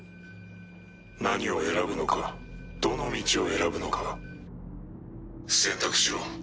何を選ぶのかどの道を選ぶのか選択しろ。